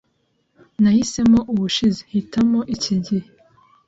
Nahisemo ubushize. Hitamo iki gihe.